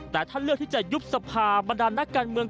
แต่ถ้าเลือกที่จะยุบสภาบรรดานนักการเมือง